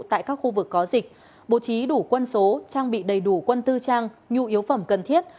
tại các khu vực có dịch bố trí đủ quân số trang bị đầy đủ quân tư trang nhu yếu phẩm cần thiết